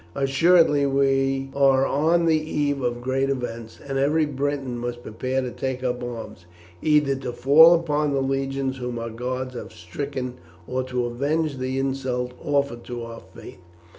Assuredly we are on the eve of great events, and every Briton must prepare to take up arms, either to fall upon the legions whom our gods have stricken or to avenge the insult offered to our faith."